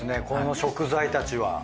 この食材たちは。